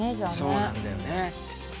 そうなんだよね。